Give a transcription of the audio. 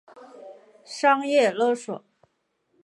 商业勒索